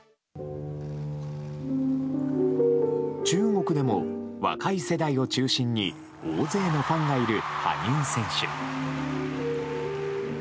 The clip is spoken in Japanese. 中国でも、若い世代を中心に大勢のファンがいる羽生選手。